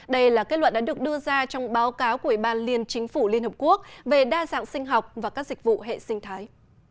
đây là kết luận đã được đưa ra trong báo cáo của ủy ban liên chính phủ liên hợp quốc về đa dạng sinh học và các dịch vụ hệ sinh thái